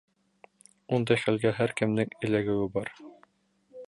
Ундай хәлгә һәр кемдең эләгеүе бар!